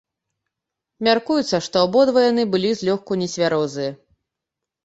Мяркуецца, што абодва яны былі злёгку нецвярозыя.